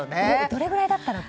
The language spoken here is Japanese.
どれぐらいだったら？